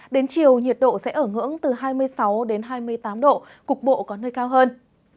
đến chiều nhiệt độ sẽ ở ngưỡng từ hai mươi sáu đến hai mươi tám độ cục bộ có nơi cao hơn